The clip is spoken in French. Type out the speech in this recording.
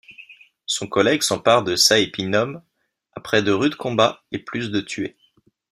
Son collègue s'empare de Saepinum après de rudes combats et plus de tués.